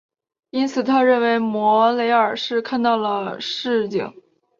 因此他认为莫雷尔是看到了蜃景。